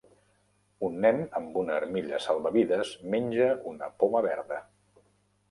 Un nen amb una armilla salvavides menja una poma verda